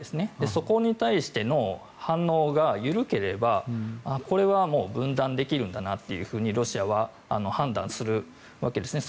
そこに対しての反応が緩ければこれは分断できるんだなとロシアは判断するわけですね。